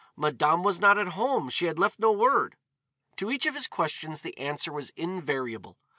"Madame was not at home, she had left no word." To each of his questions the answer was invariable.